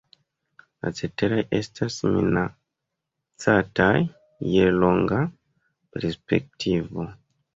La ceteraj estas minacataj je longa perspektivo.